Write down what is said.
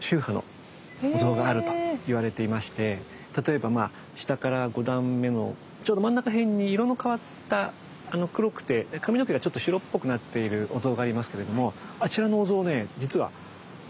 例えば下から５段目のちょうど真ん中へんに色の変わった黒くて髪の毛がちょっと白っぽくなっているお像がありますけれどもあちらのお像ね